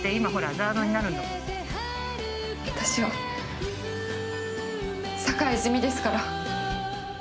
私は坂井泉水ですから。